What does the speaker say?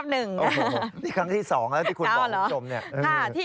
โอ้โหนี่ครั้งที่๒แล้วที่คุณบอกคุณผู้ชมเนี่ย